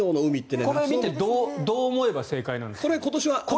これを見てどう思えば正解なんですか？